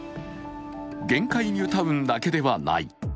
限界ニュータウンだけではない。